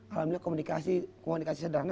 alhamdulillah komunikasi sederhana